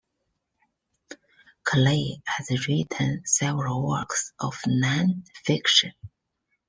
Clay has written several works of non-fiction.